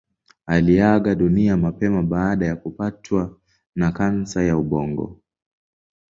Aliaga dunia mapema baada ya kupatwa na kansa ya ubongo.